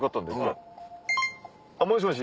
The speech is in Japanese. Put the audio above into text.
もしもし。